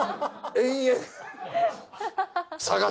延々。